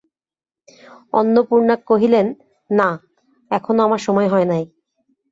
অন্নপূর্ণা কহিলেন, না, এখনো আমার সময় হয় নাই।